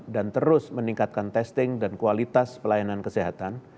dan terus meningkatkan testing dan kualitas pelayanan kesehatan